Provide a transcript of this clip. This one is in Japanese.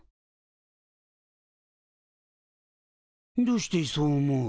どうしてそう思う？